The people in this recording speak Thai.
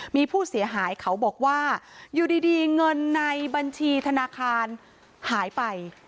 มีผู้เสียหายเขาบอกว่าอยู่ดีเงินในบัญชีธนาคารหายไป